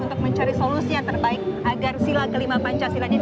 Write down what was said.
untuk mencari solusi yang terbaik agar sila kelima pancasila ini